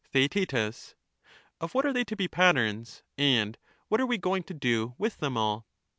TheaeU Of what are they to be patterns, and what are we going to do with them all